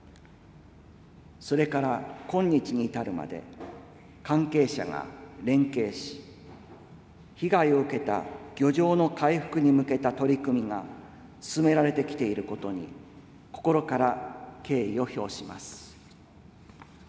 それから今日に至るまで、関係者が連携し、被害を受けた漁場の回復に向けた取組が進められてきていることに、心から敬意を表します。